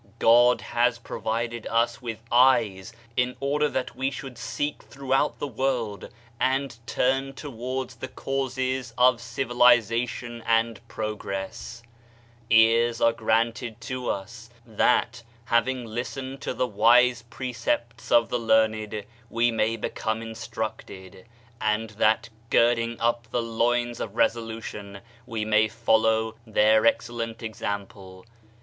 God has provided us with eyes in order that we should seek throughout the world, and turn towards the causes of civilization and prog ress: ears are granted to us that, having listened to the wise precepts of the learned, we may be come instructed, and that girding up the loins of resolution, we may follow their excellent example.